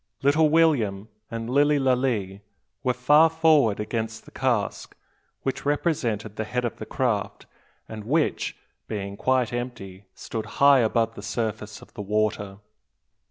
Little William and Lilly Lalee were far forward against the cask which represented the head of the craft, and which, being quite empty, stood high above the surface of the water.